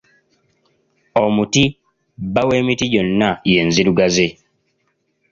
Omuti bba w’emiti gyonna y'enzirugaze.